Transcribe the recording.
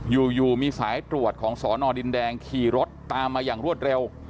อยู่มีสายตรวจของสอนอดินแดงขี่รถตามมาอย่างรวดเร็ว